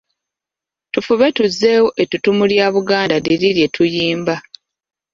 Tufube tuzzeewo ettutumu lya Buganda liri lye tuyimba.